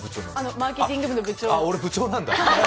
マーケティング部の部長。